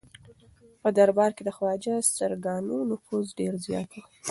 په دربار کې د خواجه سراګانو نفوذ ډېر زیات و.